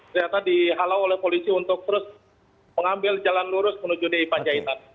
ternyata dihalau oleh polisi untuk terus mengambil jalan lurus menuju di panjaitan